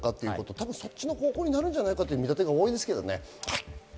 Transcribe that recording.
多分そっちの方向になるのではないかという見立てが多いですけどね。